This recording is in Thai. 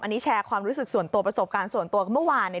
อันนี้แชร์ความรู้สึกส่วนตัวประสบการณ์ส่วนตัวเมื่อวานเนี่ย